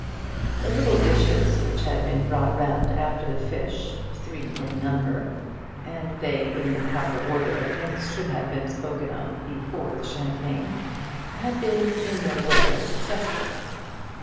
The little dishes which had been brought round after the fish, three in number, and they in the proper order of things should have been spoken of before the champagne, had been in their way successful.